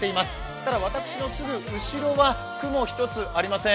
ただ私のすぐ後ろは雲一つありません。